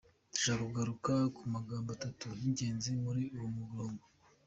Ndashaka kugaruka ku magambo atatu y'ingenzi muri uwo murongo:.